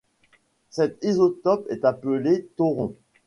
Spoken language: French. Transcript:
Cet isotope est appelé thoron.